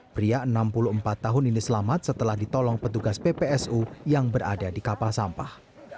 pria enam puluh empat tahun ini selamat setelah ditolong petugas ppsu yang berada di kapal sampah